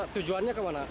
tujuannya ke mana